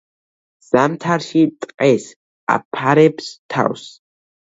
ზამთარში ტყეს აფარებს თავს.